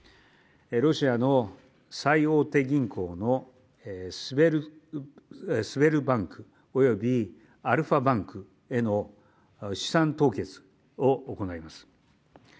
ロシアの最大手銀行のスベルバンク、およびアルファバンクへの資産凍結を行います。